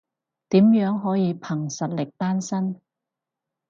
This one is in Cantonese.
點樣可以憑實力單身？